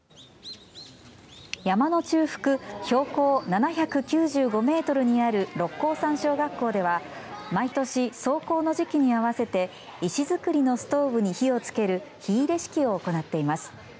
山の中腹標高７９５メートルにある六甲山小学校では毎年、霜降の時期に合わせて石造りのストーブに火をつける火入れ式を行っています。